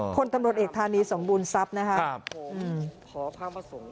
คนกำลังเอกธานีสงบูรณ์ทรัพย์นะคะ